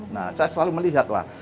nah saya selalu melihat lah